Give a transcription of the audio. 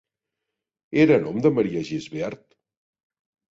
Era a nom de Maria Gisbert?